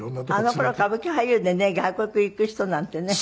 あの頃歌舞伎俳優でね外国行く人なんてね。